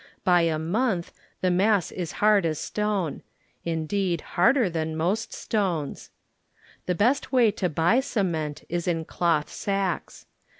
By a month the mass is hard as stone ŌĆö indeed, harder than most stones. The best way to buy cement is in cloth sacks.